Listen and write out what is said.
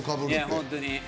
本当に。